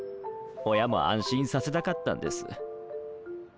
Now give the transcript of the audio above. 親も安心させたかったんです。